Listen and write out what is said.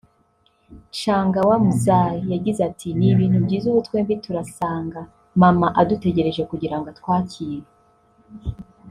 Changawa Mzai yagize ati “Ni ibintu byiza ubu twembi turasanga mama adutegereje kugira ngo atwakire